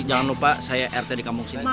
jangan lupa saya rt dikampung